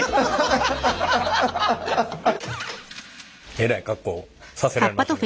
えらい格好させられましたねこれ。